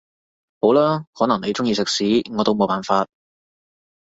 好啦，可能你鍾意食屎我都冇辦法